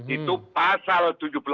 itu pasal tujuh puluh delapan